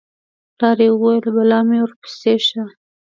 پلار یې وویل: بلا مې ورپسې شه